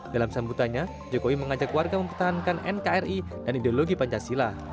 dalam sambutannya jokowi mengajak warga mempertahankan nkri dan ideologi pancasila